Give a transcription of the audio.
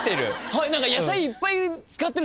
はい。